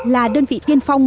là đơn vị tiên phong